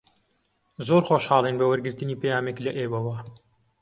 زۆر خۆشحاڵین بە وەرگرتنی پەیامێک لە ئێوەوە.